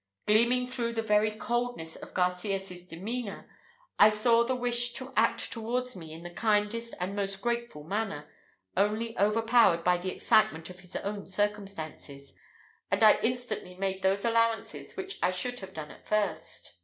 Gleaming through the very coldness of Garcias' demeanour, I saw the wish to act towards me in the kindest and most grateful manner, only overpowered by the excitement of his own circumstances; and I instantly made those allowances which I should have done at first.